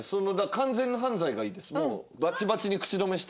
完全犯罪がいいですもう。